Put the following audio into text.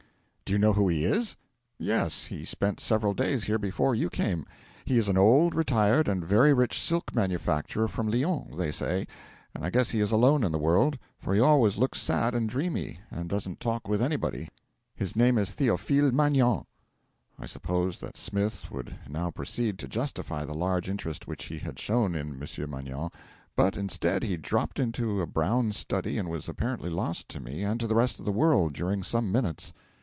'Do you know who he is?' 'Yes. He spent several days here before you came. He is an old, retired, and very rich silk manufacturer from Lyons, they say, and I guess he is alone in the world, for he always looks sad and dreamy, and doesn't talk with anybody. His name is Theophile Magnan.' I supposed that Smith would now proceed to justify the large interest which he had shown in Monsieur Magnan, but, instead, he dropped into a brown study, and was apparently lost to me and to the rest of the world during some minutes.